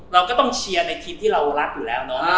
เราก็ต้องเชียร์ในทีมที่เรารักอยู่แล้วเนาะ